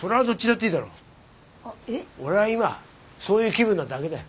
俺は今そういう気分なだけだ。